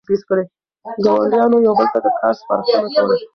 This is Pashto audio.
ګاونډیانو یو بل ته د کار سپارښتنه کوله.